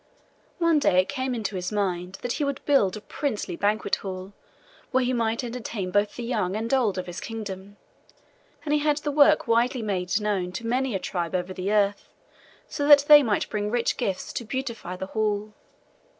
One day it came into his mind that he would build a princely banquet hall, where he might entertain both the young and old of his kingdom; and he had the work widely made known to many a tribe over the earth, so that they might bring rich gifts to beautify the hall.